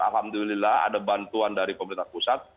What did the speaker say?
alhamdulillah ada bantuan dari pemerintah pusat